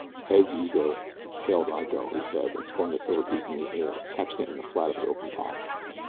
"Heads, you go; tails, I go," he said and spun the silver piece in the air, catching it in the flat of his open palm.